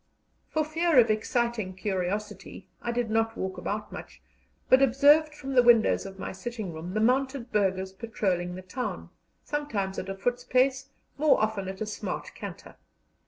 For fear of exciting curiosity, I did not walk about much, but observed from the windows of my sitting room the mounted burghers patrolling the town, sometimes at a foot's pace, more often at a smart canter.